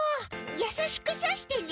やさしくさしてね。